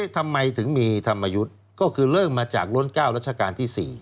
ทำไมถึงมีธรรมยุทธ์ก็คือเริ่มมาจากล้น๙รัชกาลที่๔